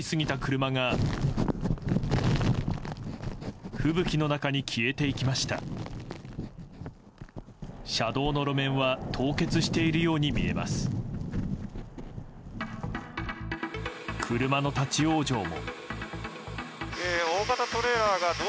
車の立ち往生も。